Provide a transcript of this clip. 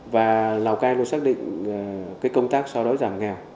và lào cai nó xác định cái công tác so với giảm nghèo